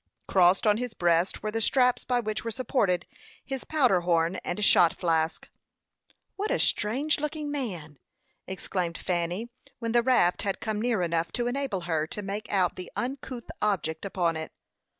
Crossed on his breast were the straps by which were supported his powder horn and shot flask. "What a strange looking man!" exclaimed Fanny, when the raft had come near enough to enable her to make out the uncouth object upon it.